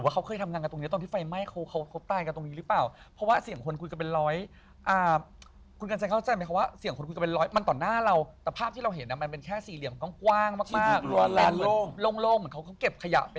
ดังนี้เราก็กลัวเขาก็เข็นมันทะสายของเขาไป